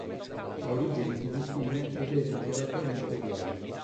Ha origini filippine ed è dichiaratamente gay.